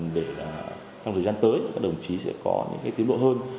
để trong thời gian tới các đồng chí sẽ có những tiến độ hơn